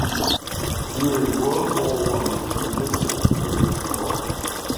During World War One he enlisted in the Marine corps.